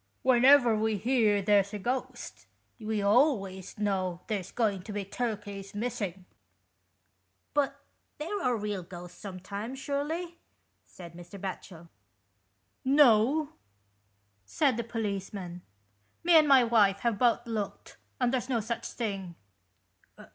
When ever we hear there's a ghost, we always know there's going to be turkeys missing." " But there are real ghosts sometimes, surely ?" said Mr. Batchel. 62 THE EICHPINS. "No," said the policeman, " me and my wife have both looked, and there's no such thing."